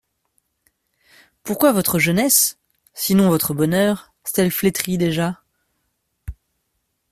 Pourquoi votre jeunesse, sinon votre bonheur, s'est-elle flétrie déjà?